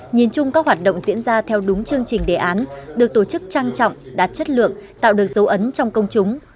nhìn chung các hoạt động diễn ra theo đúng chương trình đề án được tổ chức trang trọng đạt chất lượng tạo được dấu ấn trong công chúng